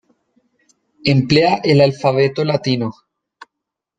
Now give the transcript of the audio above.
Emplea el alfabeto latino.